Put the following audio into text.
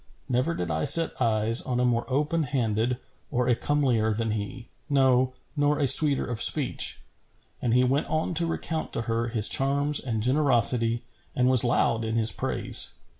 Never did I set eyes on a more open handed or a comelier than he, no, nor a sweeter of speech.' And he went on to recount to her his charms and generosity and was loud in his praise.